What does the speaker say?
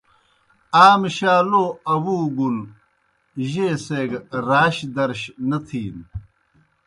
آ مُشا لو آوُوگُن جیئے سے گہ راش درش نہ تِھینوْ۔